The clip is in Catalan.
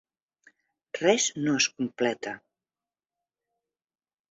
Res no es completa.